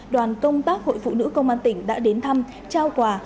đoàn công tác hội phụ nữ công an tỉnh đã đến thăm trao quà